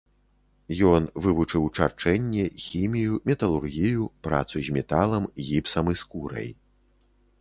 Ён вывучыў чарчэнне, хімію, металургію, працу з металам, гіпсам і скурай.